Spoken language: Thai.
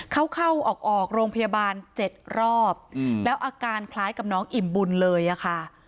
เข้าเข้าออกออกโรงพยาบาล๗รอบแล้วอาการคล้ายกับน้องอิ่มบุญเลยอะค่ะ